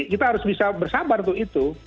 kita harus bisa bersabar untuk itu